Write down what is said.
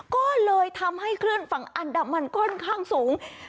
ก็เลยทำให้คลื่นฝั่งอันดามันค่อนข้างสูง